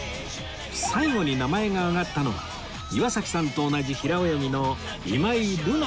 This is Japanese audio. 最後に名前が挙がったのは岩崎さんと同じ平泳ぎの今井月選手